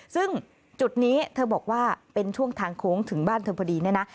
ซึ่งจุดนี้เธอบอกว่าเป็นช่วงทางโค้งถึงบ้านเธอพอดีเนี่ยนะ